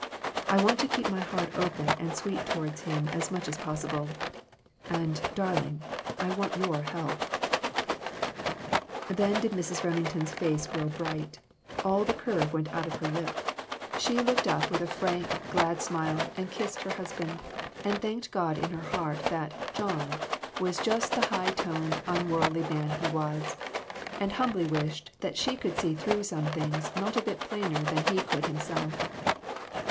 I want to keep my heart open and sweet toward him as much as possible. And, dar ling, I want your help." Then did Mrs. Remington's face grow bright ; all the curve went out of her lip ; she looked up EMBARRASSING QUESTIONS. 319 with a frank, glad smile and kissed her husband, and thanked God in her heart that " John " was just the high toned, unworldly man he was ; and humbly wished that she could see through some things not a bit plainer than he could himself.